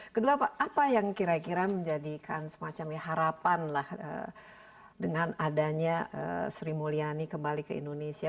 kedua apa yang kira kira menjadikan semacam ya harapan lah dengan adanya sri mulyani kembali ke indonesia